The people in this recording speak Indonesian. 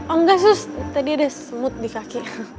oh nggak sus tadi ada semut di kaki